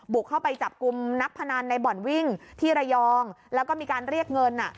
เข้าไปจับกลุ่มนักพนันในบ่อนวิ่งที่ระยองแล้วก็มีการเรียกเงิน